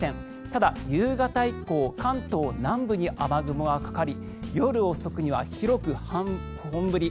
ただ、夕方以降関東南部に雨雲がかかり夜遅くには広く本降り。